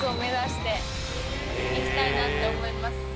行きたいなって思います。